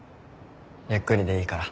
ゆっくりでいいから。